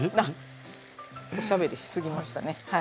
おしゃべりし過ぎましたね。